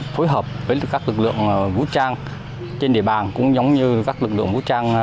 phối hợp với các lực lượng vũ trang trên địa bàn cũng giống như các lực lượng vũ trang